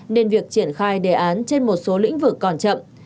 nên việc triển khai đề án trên một số lĩnh vực còn chậm